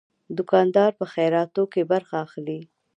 دوکاندار په خیراتو کې برخه اخلي.